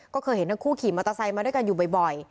ก็เคยเห็นทั้งคู่ขี่มอเตอร์ไซค์มาด้วยกันอยู่บ่อย